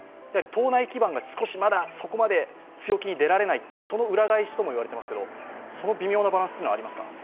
党内基盤が少しまだ、そこまで強気に出られないという、その裏返しともいわれてますけどその微妙なバランスというのはありますか？